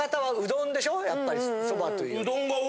やっぱりそばというより。